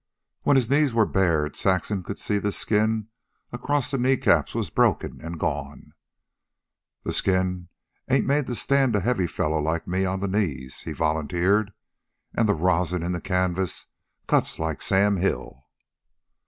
When his knees were bared, Saxon could see the skin across the knee caps was broken and gone. "The skin ain't made to stand a heavy fellow like me on the knees," he volunteered. "An' the rosin in the canvas cuts like Sam Hill."